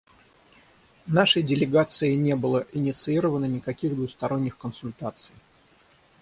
Нашей делегацией не было инициировано никаких двусторонних консультаций.